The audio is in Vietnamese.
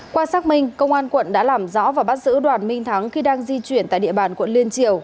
qua xác minh công an quận đã làm rõ và bắt giữ đoàn minh thắng khi đang di chuyển tại địa bàn quận liên triều